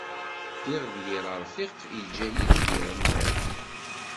Ddiɣ d yir aṛfiq, iǧǧa-yi deg yir amḍiq.